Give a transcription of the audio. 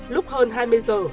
lúc hơn hai mươi giờ